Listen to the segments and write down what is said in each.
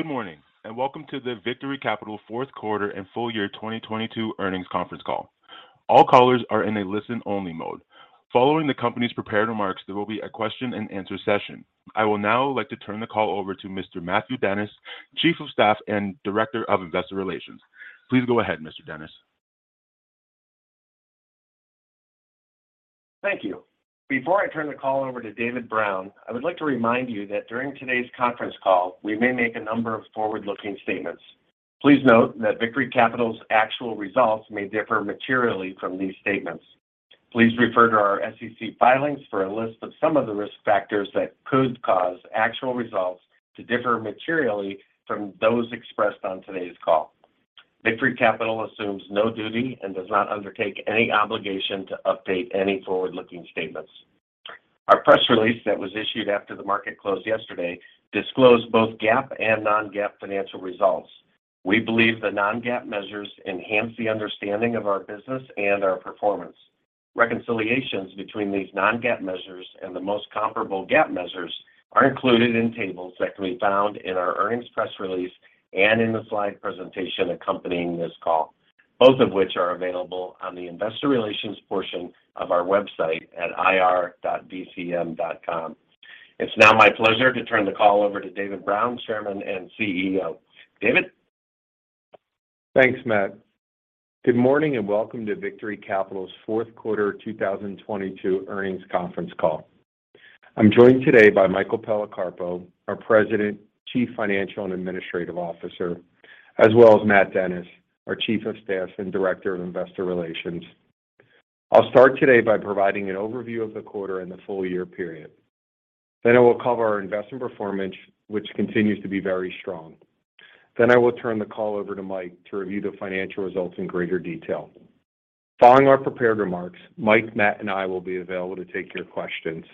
Good morning, welcome to the Victory Capital fourth quarter and full year 2022 earnings conference call. All callers are in a listen-only mode. Following the company's prepared remarks, there will be a question-and-answer session. I will now like to turn the call over to Mr. Matthew Dennis, Chief of Staff and Director of Investor Relations. Please go ahead, Mr. Dennis. Thank you. Before I turn the call over to David Brown, I would like to remind you that during today's conference call, we may make a number of forward-looking statements. Please note that Victory Capital's actual results may differ materially from these statements. Please refer to our SEC filings for a list of some of the risk factors that could cause actual results to differ materially from those expressed on today's call. Victory Capital assumes no duty and does not undertake any obligation to update any forward-looking statements. Our press release that was issued after the market closed yesterday disclosed both GAAP and non-GAAP financial results. We believe the non-GAAP measures enhance the understanding of our business and our performance. Reconciliations between these non-GAAP measures and the most comparable GAAP measures are included in tables that can be found in our earnings press release and in the slide presentation accompanying this call, both of which are available on the investor relations portion of our website at ir.vcm.com. It's now my pleasure to turn the call over to David Brown, Chairman and CEO. David. Thanks, Matt. Good morning and welcome to Victory Capital's fourth quarter 2022 earnings conference call. I'm joined today by Michael Policarpo, our President, Chief Financial and Administrative Officer, as well as Matt Dennis, our Chief of Staff and Director of Investor Relations. I'll start today by providing an overview of the quarter and the full year period. I will cover our investment performance, which continues to be very strong. I will turn the call over to Mike to review the financial results in greater detail. Following our prepared remarks, Mike, Matt, and I will be available to take your questions.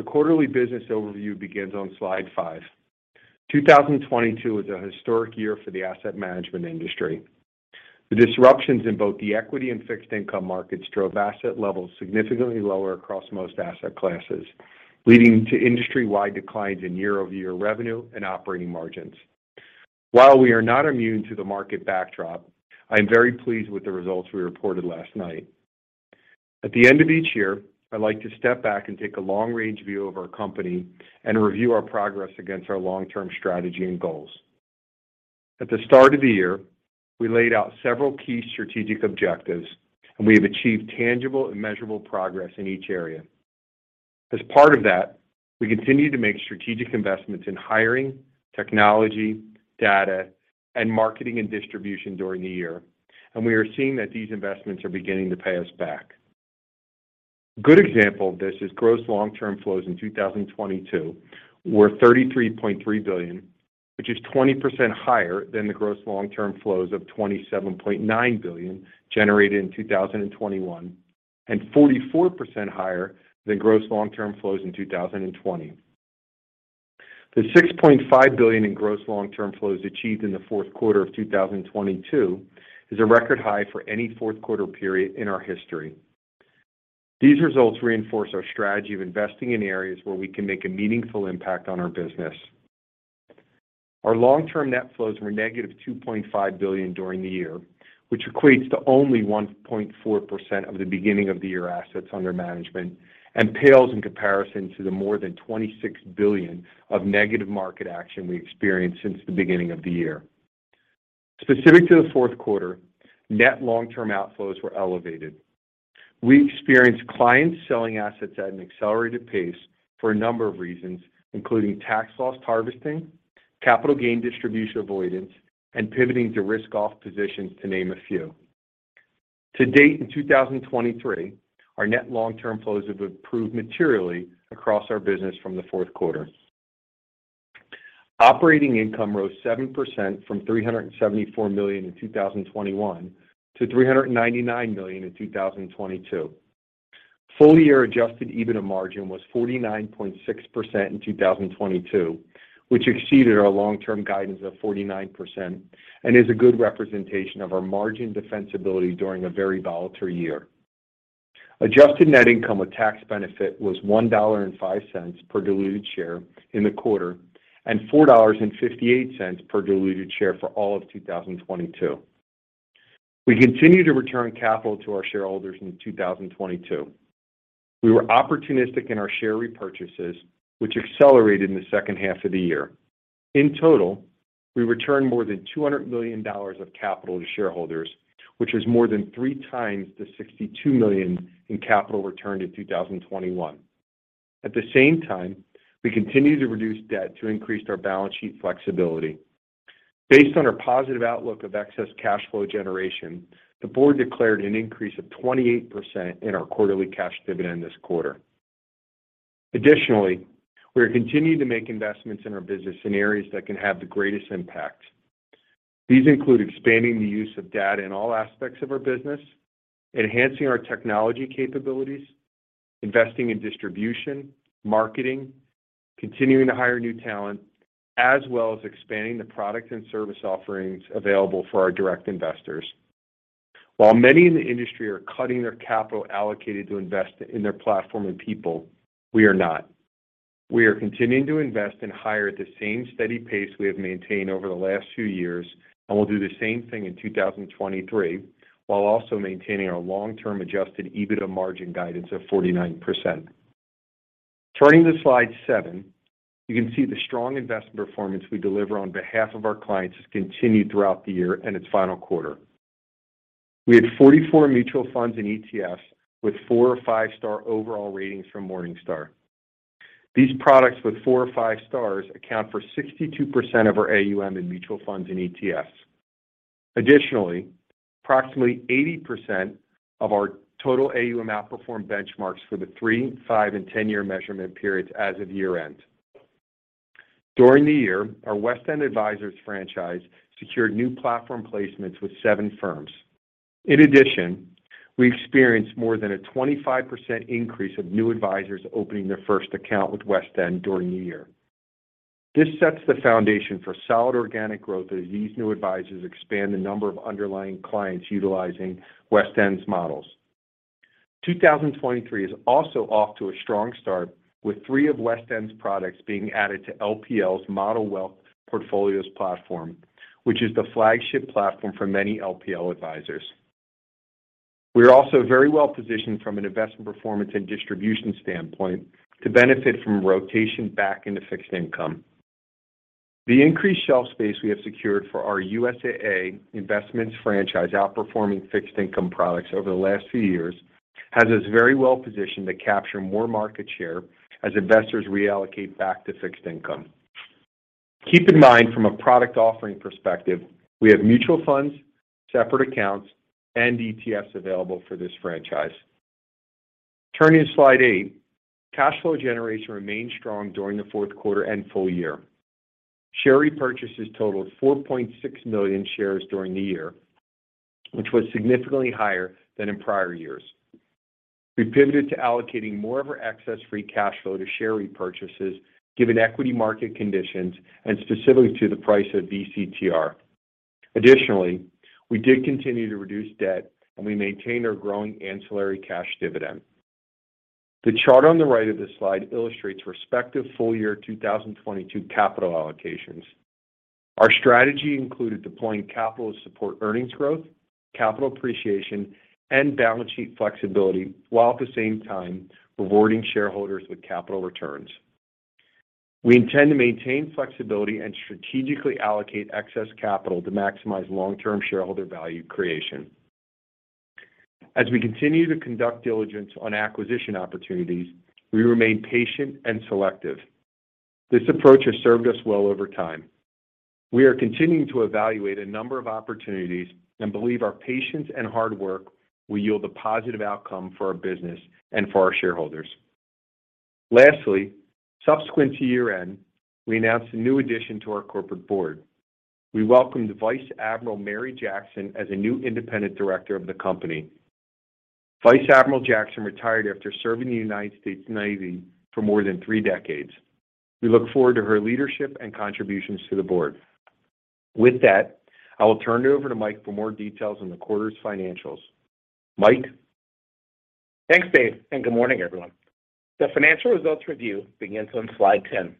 The quarterly business overview begins on slide five. 2022 was a historic year for the asset management industry. The disruptions in both the equity and fixed income markets drove asset levels significantly lower across most asset classes, leading to industry-wide declines in year-over-year revenue and operating margins. While we are not immune to the market backdrop, I am very pleased with the results we reported last night. At the end of each year, I like to step back and take a long-range view of our company and review our progress against our long-term strategy and goals. At the start of the year, we laid out several key strategic objectives, and we have achieved tangible and measurable progress in each area. As part of that, we continued to make strategic investments in hiring, technology, data, and marketing and distribution during the year, and we are seeing that these investments are beginning to pay us back. A good example of this is gross long-term flows in 2022 were $33.3 billion, which is 20% higher than the gross long-term flows of $27.9 billion generated in 2021 and 44% higher than gross long-term flows in 2020. The $6.5 billion in gross long-term flows achieved in the fourth quarter of 2022 is a record high for any fourth quarter period in our history. These results reinforce our strategy of investing in areas where we can make a meaningful impact on our business. Our long-term net flows were negative $2.5 billion during the year, which equates to only 1.4% of the beginning of the year assets under management and pales in comparison to the more than $26 billion of negative market action we experienced since the beginning of the year. Specific to the fourth quarter, net long-term outflows were elevated. We experienced clients selling assets at an accelerated pace for a number of reasons, including tax loss harvesting, capital gain distribution avoidance, and pivoting to risk off positions, to name a few. To date, in 2023, our net long-term flows have improved materially across our business from the fourth quarter. Operating income rose 7% from $374 million in 2021 to $399 million in 2022. Full year adjusted EBITDA margin was 49.6% in 2022, which exceeded our long-term guidance of 49% and is a good representation of our margin defensibility during a very volatile year. Adjusted net income with tax benefit was $1.05 per diluted share in the quarter and $4.58 per diluted share for all of 2022. We continued to return capital to our shareholders in 2022. We were opportunistic in our share repurchases, which accelerated in the second half of the year. In total, we returned more than $200 million of capital to shareholders, which is more than 3 times the $62 million in capital returned in 2021. At the same time, we continued to reduce debt to increase our balance sheet flexibility. Based on our positive outlook of excess cash flow generation, the board declared an increase of 28% in our quarterly cash dividend this quarter. Additionally, we are continuing to make investments in our business in areas that can have the greatest impact. These include expanding the use of data in all aspects of our business, enhancing our technology capabilities, investing in distribution, marketing, continuing to hire new talent, as well as expanding the product and service offerings available for our direct investors. Many in the industry are cutting their capital allocated to invest in their platform and people, we are not. We are continuing to invest and hire at the same steady pace we have maintained over the last few years, and we'll do the same thing in 2023, while also maintaining our long-term adjusted EBITDA margin guidance of 49%. Turning to slide seven, you can see the strong investment performance we deliver on behalf of our clients has continued throughout the year and its final quarter. We had 44 mutual funds in ETFs with four or five-star overall ratings from Morningstar. These products with four or five stars account for 62% of our AUM in mutual funds and ETFs. Approximately 80% of our total AUM outperformed benchmarks for the three, five, and 10-year measurement periods as of year-end. During the year, our WestEnd Advisors franchise secured new platform placements with seven firms. We experienced more than a 25% increase of new advisors opening their first account with West End during the year. This sets the foundation for solid organic growth as these new advisors expand the number of underlying clients utilizing West End's models. 2023 is also off to a strong start with three of WestEnd's products being added to LPL's Model Wealth Portfolios platform, which is the flagship platform for many LPL advisors. We are also very well-positioned from an investment performance and distribution standpoint to benefit from rotation back into fixed income. The increased shelf space we have secured for our USAA Investments franchise outperforming fixed income products over the last few years has us very well-positioned to capture more market share as investors reallocate back to fixed income. Keep in mind from a product offering perspective, we have mutual funds, separate accounts, and ETFs available for this franchise. Turning to slide eight, cash flow generation remained strong during the fourth quarter and full year. Share repurchases totaled 4.6 million shares during the year, which was significantly higher than in prior years. We pivoted to allocating more of our excess free cash flow to share repurchases given equity market conditions and specifically to the price of VCTR. Additionally, we did continue to reduce debt, and we maintained our growing ancillary cash dividend. The chart on the right of this slide illustrates respective full year 2022 capital allocations. Our strategy included deploying capital to support earnings growth, capital appreciation, and balance sheet flexibility, while at the same time rewarding shareholders with capital returns. We intend to maintain flexibility and strategically allocate excess capital to maximize long-term shareholder value creation. As we continue to conduct diligence on acquisition opportunities, we remain patient and selective. This approach has served us well over time. We are continuing to evaluate a number of opportunities and believe our patience and hard work will yield a positive outcome for our business and for our shareholders. Lastly, subsequent to year-end, we announced a new addition to our corporate board. We welcomed Vice Admiral Mary Jackson as a new independent director of the company. Vice Admiral Jackson retired after serving the United States Navy for more than three decades. We look forward to her leadership and contributions to the board. With that, I will turn it over to Mike for more details on the quarter's financials. Mike? Thanks, Dave. Good morning, everyone. The financial results review begins on slide 10.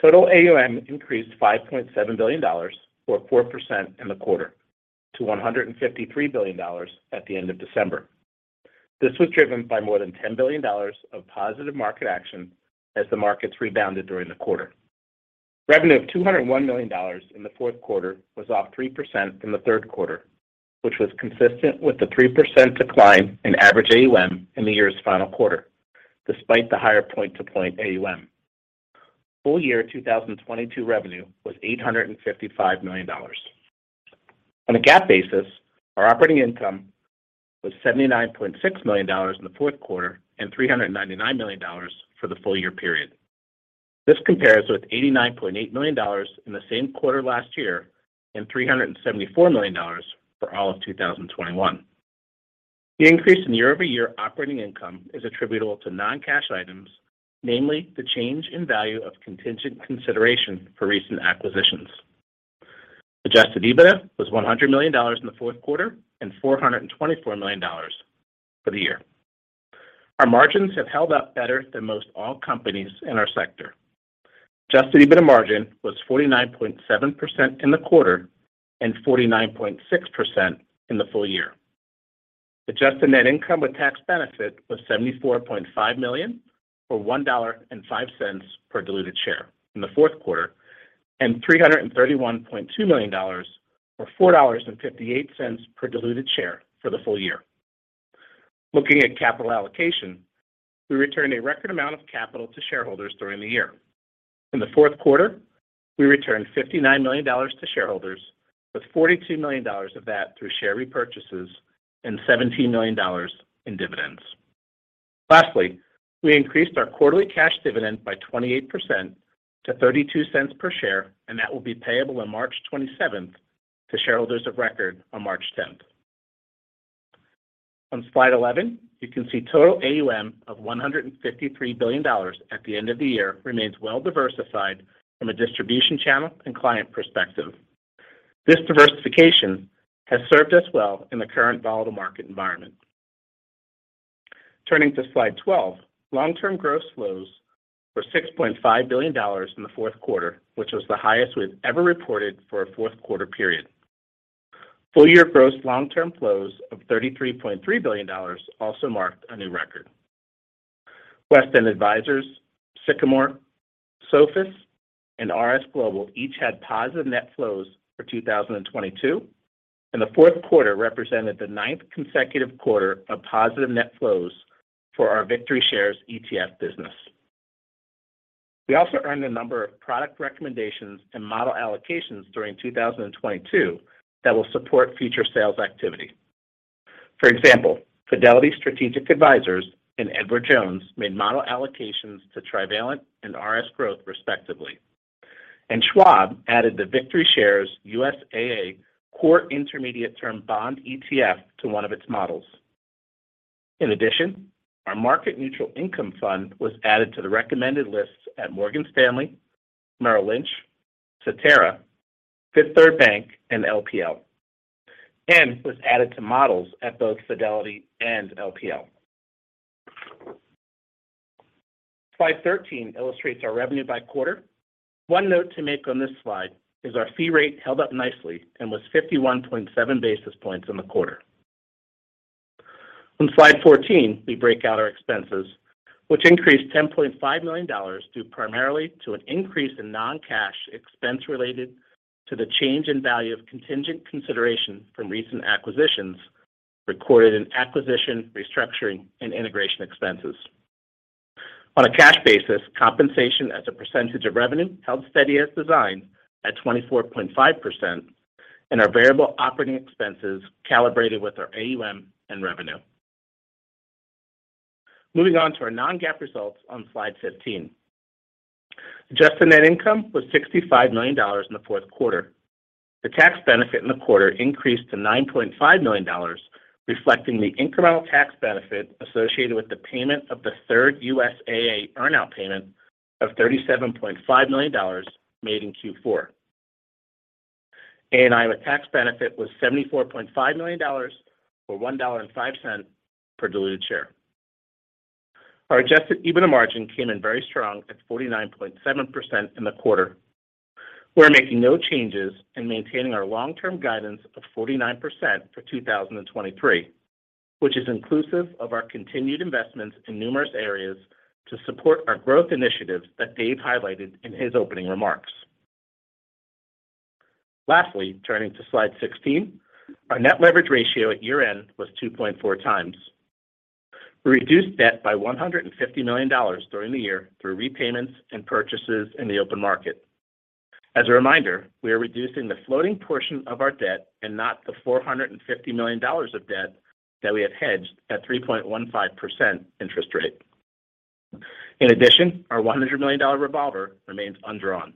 Total AUM increased $5.7 billion or 4% in the quarter to $153 billion at the end of December. This was driven by more than $10 billion of positive market action as the markets rebounded during the quarter. Revenue of $201 million in the fourth quarter was off 3% from the third quarter, which was consistent with the 3% decline in average AUM in the year's final quarter, despite the higher point-to-point AUM. Full year 2022 revenue was $855 million. On a GAAP basis, our operating income was $79.6 million in the fourth quarter and $399 million for the full year period. This compares with $89.8 million in the same quarter last year and $374 million for all of 2021. The increase in year-over-year operating income is attributable to non-cash items, namely the change in value of contingent consideration for recent acquisitions. Adjusted EBITDA was $100 million in the fourth quarter and $424 million for the year. Our margins have held up better than most all companies in our sector. Adjusted EBITDA margin was 49.7% in the quarter and 49.6% in the full year. Adjusted net income with tax benefit was $74.5 million, or $1.05 per diluted share in the fourth quarter, and $331.2 million, or $4.58 per diluted share for the full year. Looking at capital allocation, we returned a record amount of capital to shareholders during the year. In the fourth quarter, we returned $59 million to shareholders, with $42 million of that through share repurchases and $17 million in dividends. Lastly, we increased our quarterly cash dividend by 28% to $0.32 per share. That will be payable on March 27th to shareholders of record on March 10th. On slide 11, you can see total AUM of $153 billion at the end of the year remains well-diversified from a distribution channel and client perspective. This diversification has served us well in the current volatile market environment. Turning to slide 12. Long-term gross flows were $6.5 billion in the fourth quarter, which was the highest we've ever reported for a fourth quarter period. Full year gross long-term flows of $33.3 billion also marked a new record. WestEnd Advisors, Sycamore, Sophus, and RS Global each had positive net flows for 2022. The fourth quarter represented the ninth consecutive quarter of positive net flows for our VictoryShares ETF business. We also earned a number of product recommendations and model allocations during 2022 that will support future sales activity. For example, Fidelity Strategic Advisers and Edward Jones made model allocations to Trivalent and RS Growth respectively. Schwab added the VictoryShares USAA Core Intermediate-Term Bond ETF to one of its models. In addition, our Market Neutral Income Fund was added to the recommended lists at Morgan Stanley, Merrill Lynch, Cetera, Fifth Third Bank, and LPL, and was added to models at both Fidelity and LPL. Slide 13 illustrates our revenue by quarter. One note to make on this slide is our fee rate held up nicely and was 51.7 basis points in the quarter. On slide 14, we break out our expenses, which increased $10.5 million, due primarily to an increase in non-cash expense related to the change in value of contingent consideration from recent acquisitions recorded in acquisition, restructuring, and integration expenses. On a cash basis, compensation as a percentage of revenue held steady as designed at 24.5%, and our variable operating expenses calibrated with our AUM and revenue. Moving on to our non-GAAP results on slide 15. Adjusted net income was $65 million in the fourth quarter. The tax benefit in the quarter increased to $9.5 million, reflecting the incremental tax benefit associated with the payment of the third USAA earn-out payment of $37.5 million made in Q4. ANI with tax benefit was $74.5 million, or $1.05 per diluted share. Our adjusted EBITDA margin came in very strong at 49.7% in the quarter. We're making no changes and maintaining our long-term guidance of 49% for 2023, which is inclusive of our continued investments in numerous areas to support our growth initiatives that Dave highlighted in his opening remarks. Turning to slide 16. Our net leverage ratio at year-end was 2.4 times. We reduced debt by $150 million during the year through repayments and purchases in the open market. As a reminder, we are reducing the floating portion of our debt and not the $450 million of debt that we have hedged at 3.15% interest rate. In addition, our $100 million revolver remains undrawn.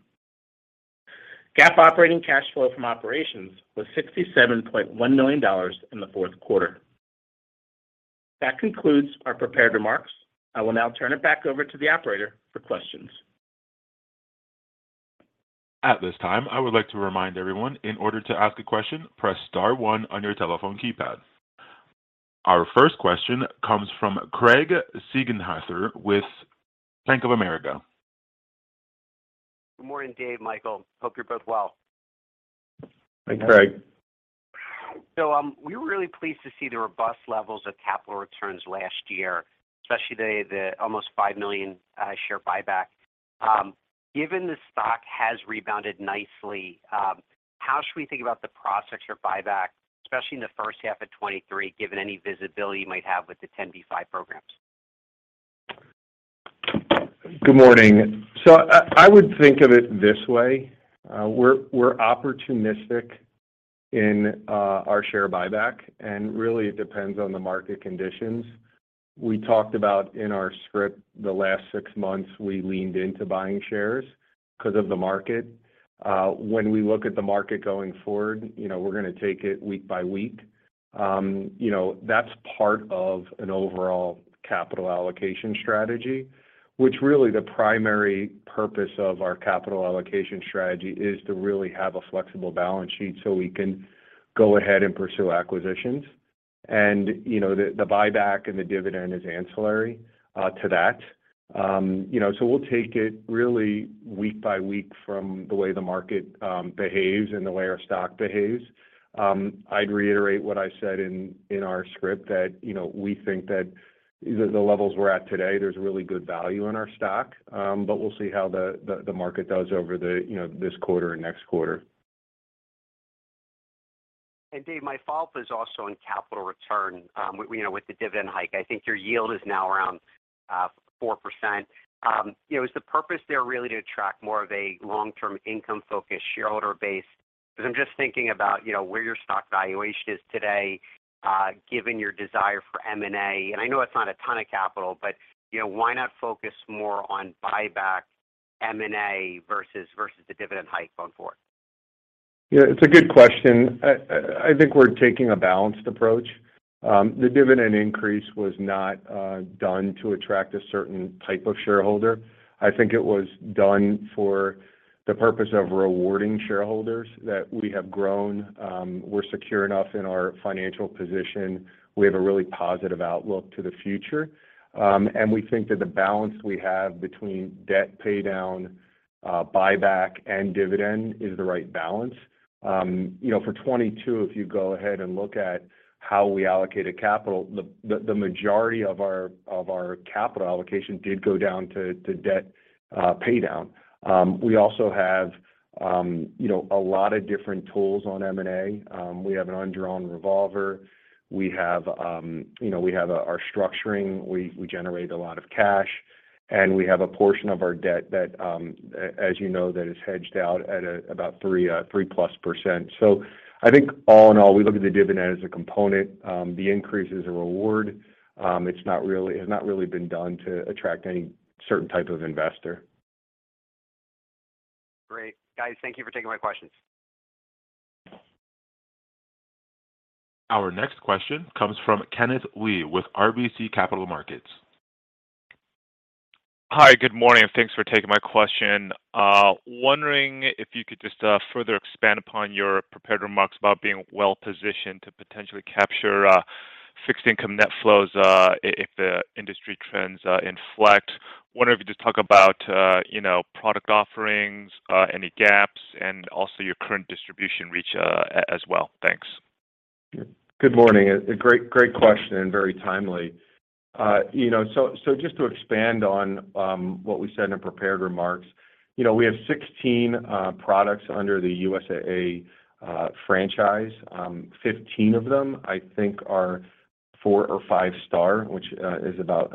GAAP operating cash flow from operations was $67.1 million in the fourth quarter. That concludes our prepared remarks. I will now turn it back over to the operator for questions. At this time, I would like to remind everyone, in order to ask a question, press star one on your telephone keypad. Our first question comes from Craig Siegenthaler with Bank of America. Good morning, Dave, Michael. Hope you're both well. Thanks, Craig. We're really pleased to see the robust levels of capital returns last year, especially the almost $5 million share buyback. Given the stock has rebounded nicely, how should we think about the process for buyback, especially in the first half of 2023, given any visibility you might have with the 10b5-1 programs? Good morning. I would think of it this way. We're opportunistic in our share buyback, and really it depends on the market conditions. We talked about in our script the last six months, we leaned into buying shares because of the market. When we look at the market going forward, you know, we're gonna take it week by week. You know, that's part of an overall capital allocation strategy, which really the primary purpose of our capital allocation strategy is to really have a flexible balance sheet so we can go ahead and pursue acquisitions. You know, the buyback and the dividend is ancillary to that. You know, we'll take it really week by week from the way the market behaves and the way our stock behaves. I'd reiterate what I said in our script that, you know, we think that the levels we're at today, there's really good value in our stock. We'll see how the market does over the, you know, this quarter and next quarter. Dave, my follow-up is also on capital return, you know, with the dividend hike. I think your yield is now around 4%. You know, is the purpose there really to attract more of a long-term income-focused shareholder base? I'm just thinking about, you know, where your stock valuation is today, given your desire for M&A. I know it's not a ton of capital, but, you know, why not focus more on buyback M&A versus the dividend hike going forward? Yeah, it's a good question. I think we're taking a balanced approach. The dividend increase was not done to attract a certain type of shareholder. I think it was done for the purpose of rewarding shareholders that we have grown, we're secure enough in our financial position. We have a really positive outlook to the future. We think that the balance we have between debt pay down, buyback, and dividend is the right balance. You know, for 22, if you go ahead and look at how we allocated capital, the majority of our capital allocation did go down to debt pay down. We also have, you know, a lot of different tools on M&A. We have an undrawn revolver. We have, you know, we have our structuring. We generate a lot of cash, and we have a portion of our debt that, as you know, that is hedged out at about 3+%. I think all in all, we look at the dividend as a component. The increase is a reward. It's not really been done to attract any certain type of investor. Great. Guys, thank you for taking my questions. Our next question comes from Kenneth Lee with RBC Capital Markets. Hi. Good morning. Thanks for taking my question. Wondering if you could just, further expand upon your prepared remarks about being well-positioned to potentially capture fixed income net flows if the industry trends inflect. Wonder if you could just talk about, you know, product offerings, any gaps, and also your current distribution reach, as well. Thanks. Good morning. A great question and very timely. You know, just to expand on what we said in the prepared remarks. You know, we have 16 products under the USAA franchise. 15 of them, I think, are four or five star, which is about,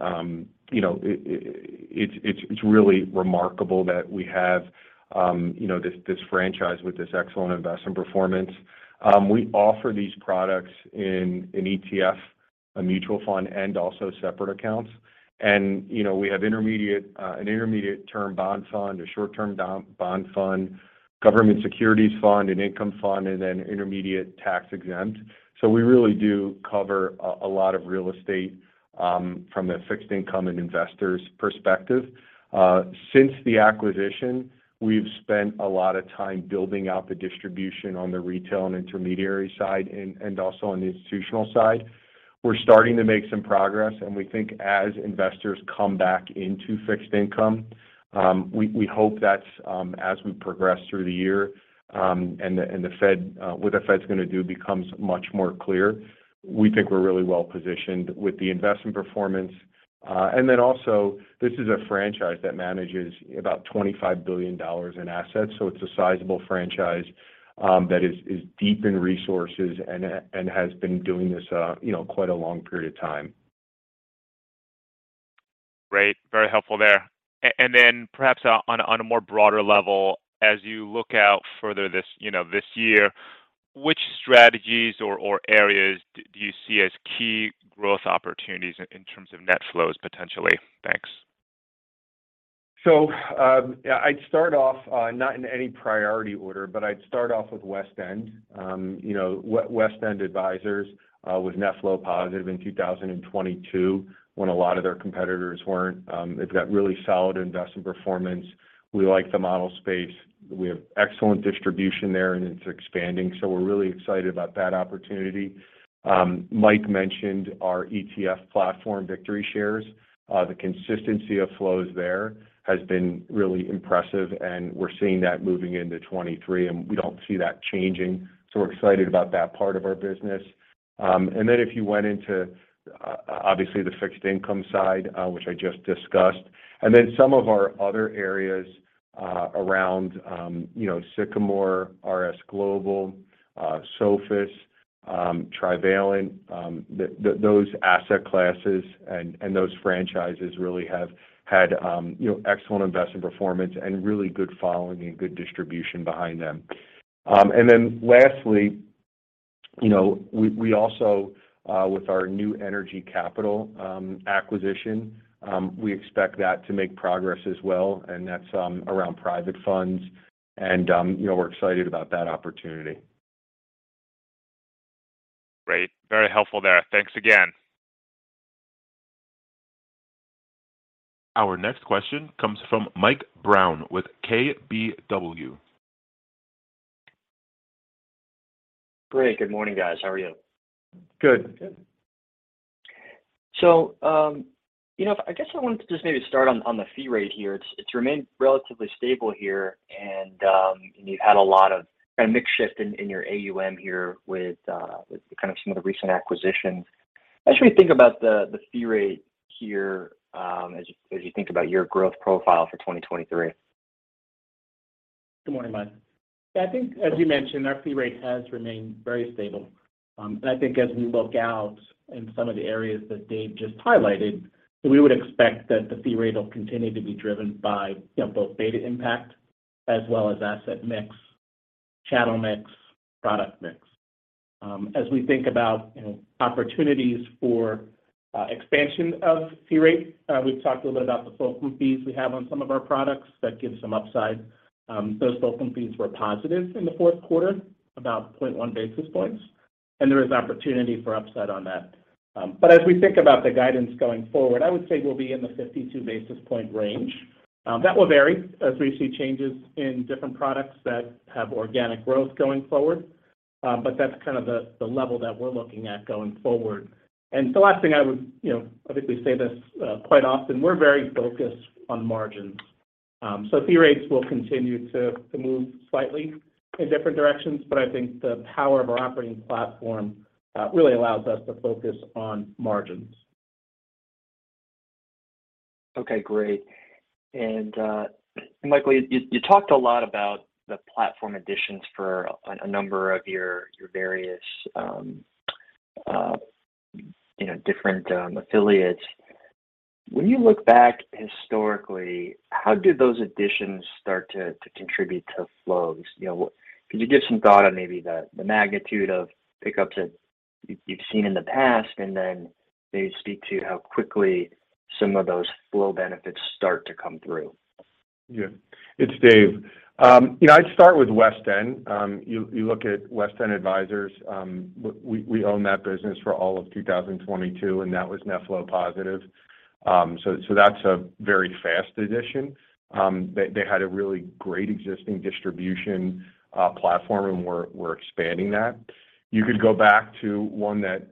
you know. It's really remarkable that we have, you know, this franchise with this excellent investment performance. We offer these products in an ETF, a mutual fund, and also separate accounts. You know, we have an intermediate term bond fund, a short-term bond fund, government securities fund, an income fund, and an intermediate tax-exempt. We really do cover a lot of real estate from a fixed income and investor's perspective. Since the acquisition, we've spent a lot of time building out the distribution on the retail and intermediary side and also on the institutional side. We're starting to make some progress. We think as investors come back into fixed income, we hope that as we progress through the year, and the Fed, what the Fed is gonna do becomes much more clear. We think we're really well-positioned with the investment performance. Also, this is a franchise that manages about $25 billion in assets. It's a sizable franchise that is deep in resources and has been doing this, you know, quite a long period of time. Great. Very helpful there. Perhaps on a more broader level, as you look out further this, you know, this year, which strategies or areas do you see as key growth opportunities in terms of net flows, potentially? Thanks. Yeah, I'd start off, not in any priority order, but I'd start off with WestEnd. You know, WestEnd Advisors was net flow positive in 2022 when a lot of their competitors weren't. They've got really solid investment performance. We like the model space. We have excellent distribution there, and it's expanding. We're really excited about that opportunity. Mike mentioned our ETF platform, VictoryShares. The consistency of flows there has been really impressive, and we're seeing that moving into 23, and we don't see that changing. We're excited about that part of our business. If you went into, obviously the fixed income side, which I just discussed. Some of our other areas, around, you know, Sycamore, RS Global, Sophus, Trivalent, those asset classes and those franchises really have had, you know, excellent investment performance and really good following and good distribution behind them. Lastly, you know, we also, with our New Energy Capital, acquisition, we expect that to make progress as well, and that's, around private funds and, you know, we're excited about that opportunity. Great. Very helpful there. Thanks again. Our next question comes from Mike Brown with KBW. Great. Good morning, guys. How are you? Good. Good. You know, I guess I wanted to just maybe start on the fee rate here. It's remained relatively stable here, and you've had a lot of mix shift in your AUM here with kind of some of the recent acquisitions. How should we think about the fee rate here, as you think about your growth profile for 2023? Good morning, Mike. I think as you mentioned, our fee rate has remained very stable. I think as we look out in some of the areas that Dave just highlighted, we would expect that the fee rate will continue to be driven by, you know, both beta impact as well as asset mix, channel mix, product mix. As we think about opportunities for expansion of fee rates, we've talked a little about the fund group fees we have on some of our products that give some upside. Those fund group fees were positive in the fourth quarter, about 0.1 basis points, and there is opportunity for upside on that. As we think about the guidance going forward, I would say we'll be in the 52 basis point range. That will vary as we see changes in different products that have organic growth going forward. That's kind of the level that we're looking at going forward. The last thing I would, I think we say this quite often, we're very focused on margins. Fee rates will continue to move slightly in different directions, but I think the power of our operating platform really allows us to focus on margins. Okay, great. Michael, you talked a lot about the platform additions for a number of your various, you know, different affiliates. When you look back historically, how do those additions start to contribute to flows? You know, could you give some thought on maybe the magnitude of pickups that you've seen in the past, and then maybe speak to how quickly some of those flow benefits start to come through? Yeah. It's Dave. You know, I'd start with WestEnd. You look at WestEnd Advisors, we own that business for all of 2022, and that was net flow positive. That's a very fast addition. They had a really great existing distribution platform, and we're expanding that. You could go back to one that,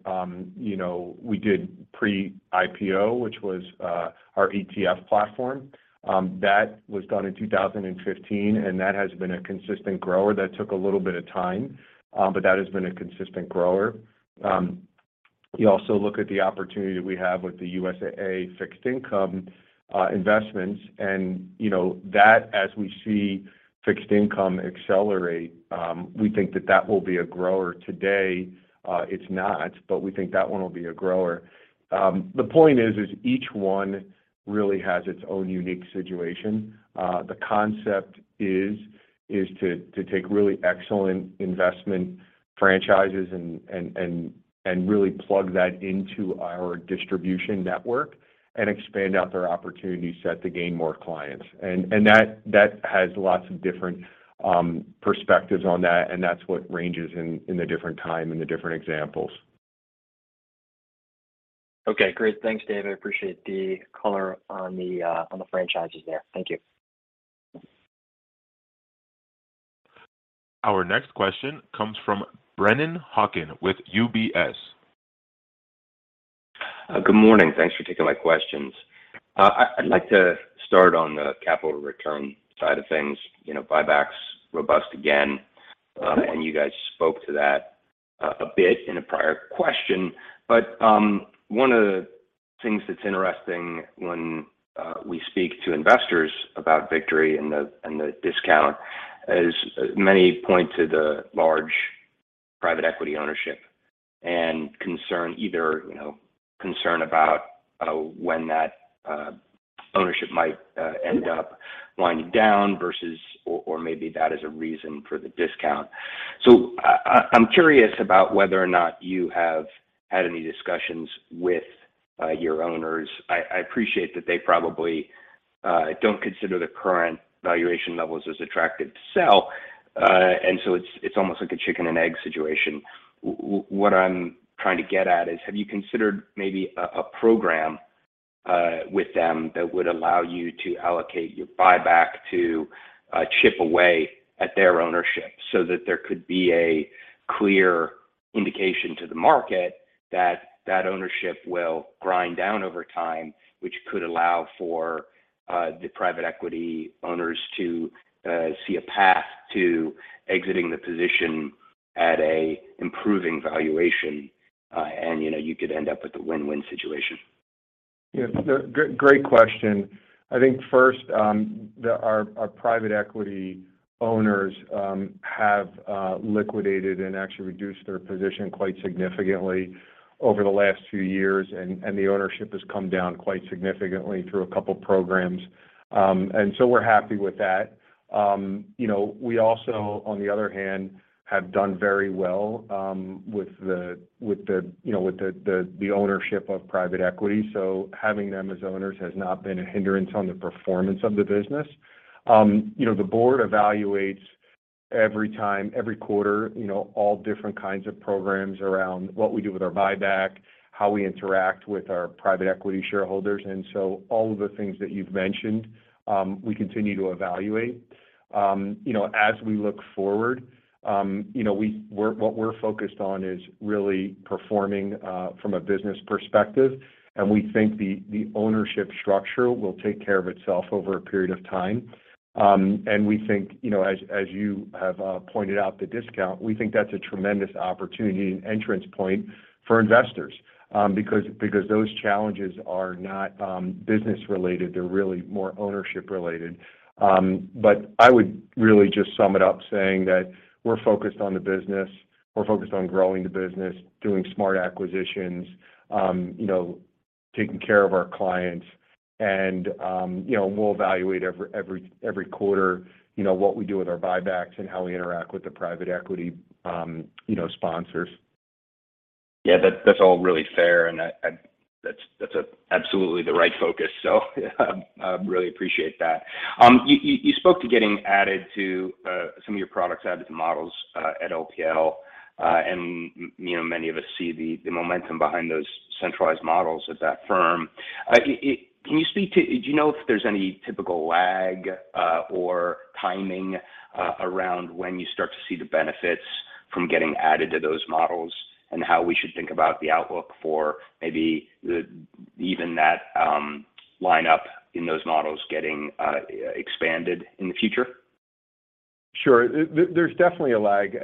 you know, we did pre-IPO, which was our ETF platform. That was done in 2015, and that has been a consistent grower. That took a little bit of time, but that has been a consistent grower. You also look at the opportunity we have with the USAA fixed income investments and, you know, that as we see fixed income accelerate, we think that that will be a grower. Today, it's not, but we think that one will be a grower. The point is each one really has its own unique situation. The concept is to take really excellent investment franchises and really plug that into our distribution network and expand out their opportunity set to gain more clients. That has lots of different perspectives on that, and that's what ranges in the different time and the different examples. Okay, great. Thanks, Dave. I appreciate the color on the on the franchises there. Thank you. Our next question comes from Brennan Hawken with UBS. Good morning. Thanks for taking my questions. I'd like to start on the capital return side of things. You know, buybacks robust again, and you guys spoke to that a bit in a prior question. One of the things that's interesting when we speak to investors about Victory and the, and the discount is many point to the large private equity ownership and concern either, you know, concern about when that ownership might end up winding down versus or maybe that is a reason for the discount. I'm curious about whether or not you have had any discussions with your owners. I appreciate that they probably don't consider the current valuation levels as attractive to sell, and so it's almost like a chicken and egg situation. What I'm trying to get at is have you considered maybe a program with them that would allow you to allocate your buyback to chip away at their ownership so that there could be a clear indication to the market that that ownership will grind down over time, which could allow for the private equity owners to see a path to exiting the position at an improving valuation, and, you know, you could end up with a win-win situation? Yeah. Great, great question. I think first, our private equity owners have liquidated and actually reduced their position quite significantly over the last few years and the ownership has come down quite significantly through a couple programs. We're happy with that. You know, we also, on the other hand, have done very well with the, with the, you know, with the, the ownership of private equity. Having them as owners has not been a hindrance on the performance of the business. You know, the board evaluates every time, every quarter, you know, all different kinds of programs around what we do with our buyback, how we interact with our private equity shareholders. All of the things that you've mentioned, we continue to evaluate. You know, as we look forward, you know, what we're focused on is really performing from a business perspective, and we think the ownership structure will take care of itself over a period of time. We think, you know, as you have pointed out the discount, we think that's a tremendous opportunity and entrance point for investors, because those challenges are not business related, they're really more ownership related. I would really just sum it up saying that we're focused on the business. We're focused on growing the business, doing smart acquisitions, you know, taking care of our clients. You know, we'll evaluate every quarter, you know, what we do with our buybacks and how we interact with the private equity, you know, sponsors. Yeah. That's all really fair, and That's absolutely the right focus. I really appreciate that. You spoke to getting added to some of your products added to models at LPL. You know, many of us see the momentum behind those centralized models at that firm. Do you know if there's any typical lag or timing around when you start to see the benefits from getting added to those models, and how we should think about the outlook for maybe the even that lineup in those models getting expanded in the future? Sure. There's definitely a lag.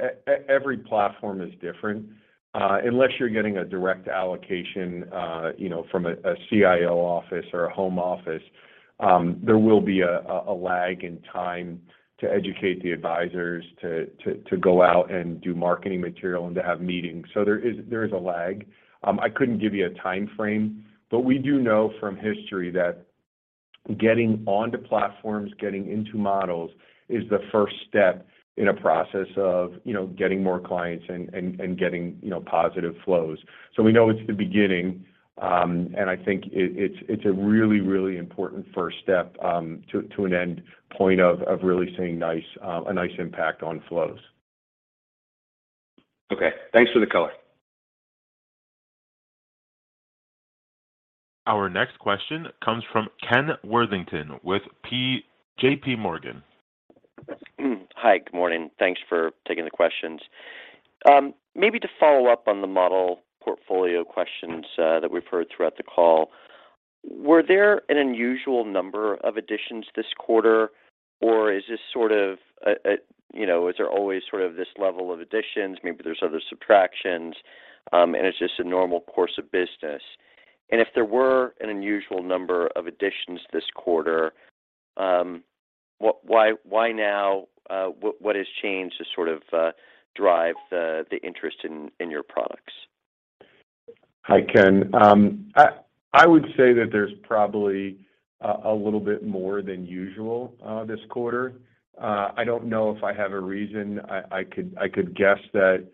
Every platform is different. Unless you're getting a direct allocation, you know, from a CIO office or a home office, there will be a lag in time to educate the advisors to go out and do marketing material and to have meetings. There is a lag. I couldn't give you a timeframe, but we do know from history that getting onto platforms, getting into models is the first step in a process of, you know, getting more clients and getting, you know, positive flows. We know it's the beginning, and I think it's a really, really important first step to an end point of really seeing nice, a nice impact on flows. Okay. Thanks for the color. Our next question comes from Ken Worthington with J.P. Morgan. Hi. Good morning. Thanks for taking the questions. Maybe to follow up on the model portfolio questions, that we've heard throughout the call, were there an unusual number of additions this quarter, or is this sort of a. You know, is there always sort of this level of additions, maybe there's other subtractions, and it's just a normal course of business? If there were an unusual number of additions this quarter, why now? What has changed to sort of, drive the interest in your products? Hi, Ken. I would say that there's probably a little bit more than usual this quarter. I don't know if I have a reason. I could guess that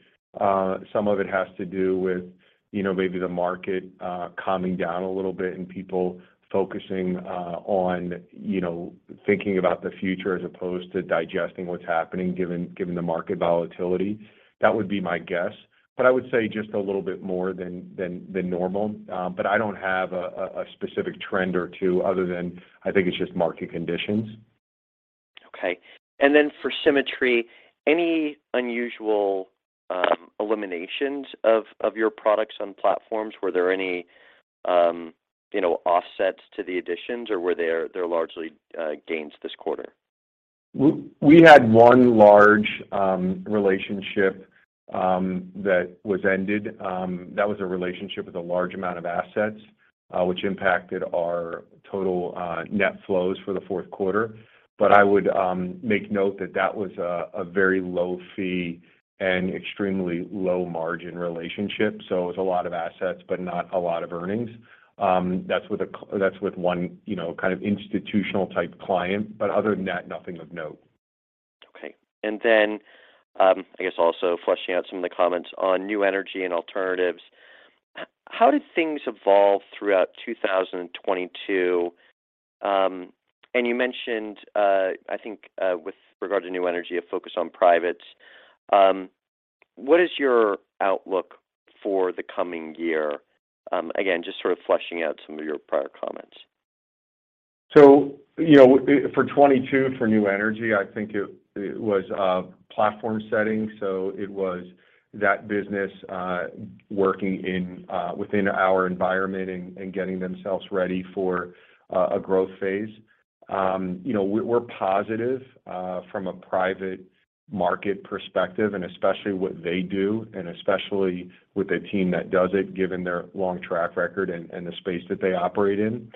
some of it has to do with, you know, maybe the market calming down a little bit and people focusing on, you know, thinking about the future as opposed to digesting what's happening given the market volatility. That would be my guess. I would say just a little bit more than normal. I don't have a specific trend or two other than I think it's just market conditions. Okay. For Symmetry, any unusual eliminations of your products on platforms? Were there any, you know, offsets to the additions, or were there largely gains this quarter? We had one large relationship that was ended. That was a relationship with a large amount of assets, which impacted our total net flows for the fourth quarter. I would make note that that was a very low fee and extremely low margin relationship, so it was a lot of assets, but not a lot of earnings. That's with one, you know, kind of institutional type client. Other than that, nothing of note. Okay. I guess also flushing out some of the comments on New Energy and alternatives, how did things evolve throughout 2022? You mentioned, I think, with regard to New Energy, a focus on privates. What is your outlook for the coming year? Again, just sort of fleshing out some of your prior comments. You know, for 2022 for New Energy, I think it was a platform setting, so it was that business working in within our environment and getting themselves ready for a growth phase. You know, we're positive from a private market perspective, and especially what they do, and especially with the team that does it given their long track record and the space that they operate in.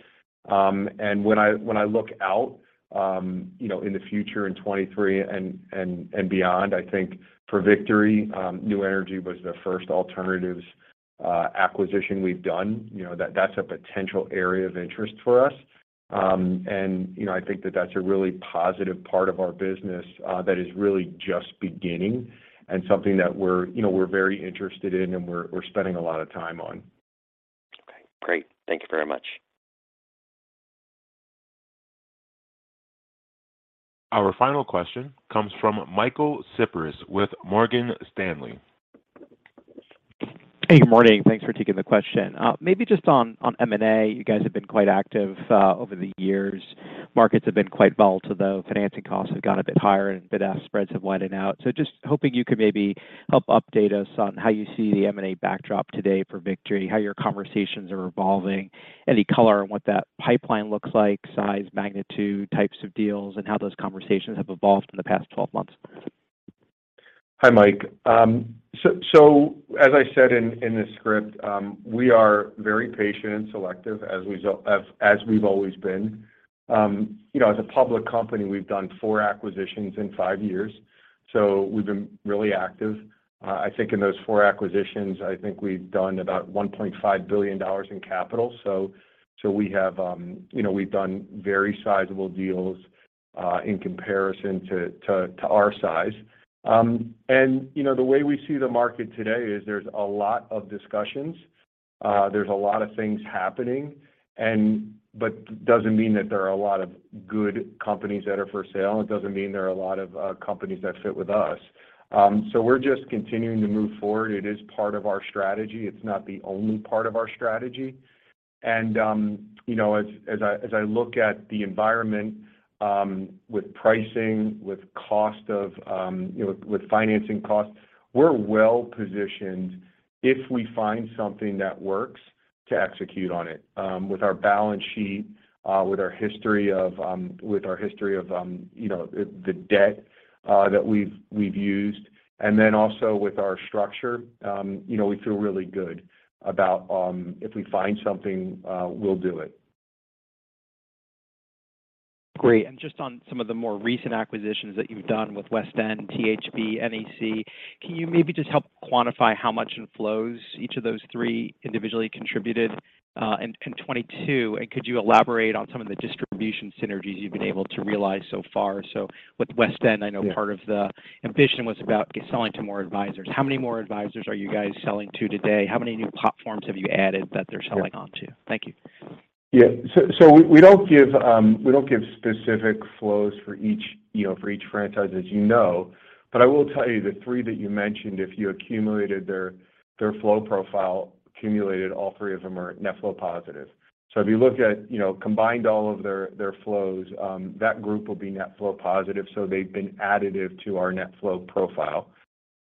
When I look out, you know, in the future in 2023 and beyond, I think for Victory, New Energy was the first alternatives acquisition we've done. You know, that's a potential area of interest for us. You know, I think that that's a really positive part of our business, that is really just beginning and something that we're, you know, we're very interested in and we're spending a lot of time on. Okay. Great. Thank you very much. Our final question comes from Michael Cyprys with Morgan Stanley. Hey, good morning. Thanks for taking the question. Maybe just on M&A, you guys have been quite active over the years. Markets have been quite volatile though. Financing costs have gone a bit higher and bid-ask spreads have widened out. Just hoping you could maybe help update us on how you see the M&A backdrop today for Victory, how your conversations are evolving, any color on what that pipeline looks like, size, magnitude, types of deals, and how those conversations have evolved in the past 12 months. Hi, Mike. As I said in the script, we are very patient and selective as we've always been. You know, as a public company, we've done four acquisitions in five years, we've been really active. I think in those four acquisitions, I think we've done about $1.5 billion in capital. We have, you know, we've done very sizable deals in comparison to our size. You know, the way we see the market today is there's a lot of discussions. There's a lot of things happening, but doesn't mean that there are a lot of good companies that are for sale, and it doesn't mean there are a lot of companies that fit with us. We're just continuing to move forward. It is part of our strategy. It's not the only part of our strategy. You know, as I look at the environment, with pricing, with cost of, you know, with financing costs, we're well-positioned if we find something that works to execute on it. With our balance sheet, with our history of, you know, the debt that we've used, also with our structure, you know, we feel really good about, if we find something, we'll do it. Great. Just on some of the more recent acquisitions that you've done with WestEnd, THB, NEC, can you maybe just help quantify how much inflows each of those three individually contributed in 2022? Could you elaborate on some of the distribution synergies you've been able to realize so far? With WestEnd- Yeah. I know part of the ambition was about selling to more advisors. How many more advisors are you guys selling to today? How many new platforms have you added that they're selling onto? Yeah. Thank you. Yeah. We don't give specific flows for each, you know, for each franchise, as you know. I will tell you the three that you mentioned, if you accumulated their flow profile, all three of them are net flow positive. If you look at, you know, combined all of their flows, that group will be net flow positive, so they've been additive to our net flow profile.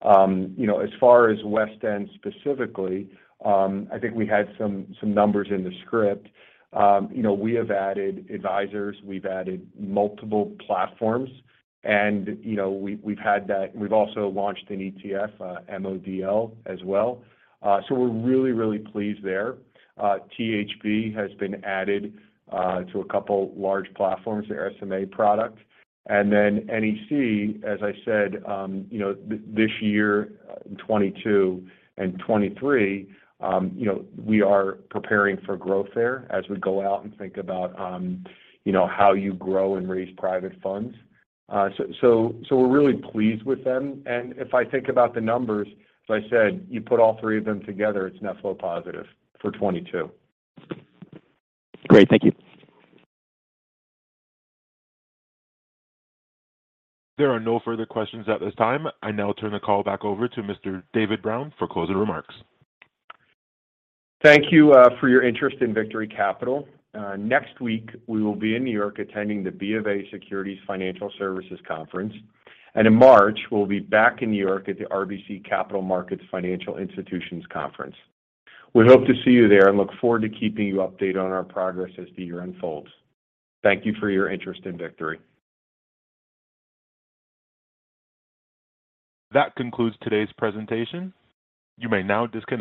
You know, as far as WestEnd specifically, I think we had some numbers in the script. You know, we have added advisors, we've added multiple platforms, and, you know, we've had that. We've also launched an ETF, MODL as well. We're really pleased there. THB has been added to a couple large platforms, their SMA product. NEC, as I said, you know, this year in 2022 and 2023, you know, we are preparing for growth there as we go out and think about, you know, how you grow and raise private funds. So we're really pleased with them. If I think about the numbers, as I said, you put all three of them together, it's net flow positive for 2022. Great. Thank you. There are no further questions at this time. I now turn the call back over to Mr. David Brown for closing remarks. Thank you for your interest in Victory Capital. Next week we will be in New York attending the BofA Securities Financial Services Conference. In March, we'll be back in New York at the RBC Capital Markets Financial Institutions Conference. We hope to see you there and look forward to keeping you updated on our progress as the year unfolds. Thank you for your interest in Victory. That concludes today's presentation. You may now disconnect.